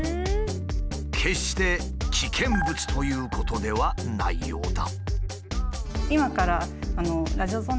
決して危険物ということではないようだ。